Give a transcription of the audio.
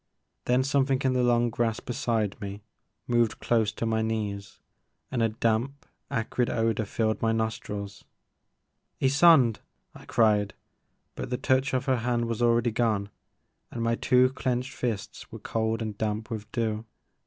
Then something in the long grass beside me moved close to my knees and a damp acrid odor filled my nostrils. " Ysonde !*' I cried, but the touch of her hand was already gone and my two clenched fists were cold and damp with dew.